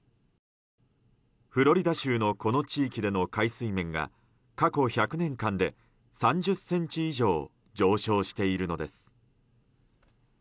フロリダ州のこの地域での海水面が過去１００年間で、３０ｃｍ以上上昇しているのです。